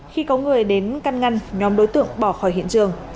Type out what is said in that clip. khi có người đến căn ngăn nhóm đối tượng bỏ khỏi hiện trường